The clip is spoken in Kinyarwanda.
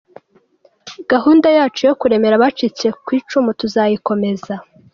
Gahunda yacu yo kuremera abacitse ku icumu tuzayikomeza.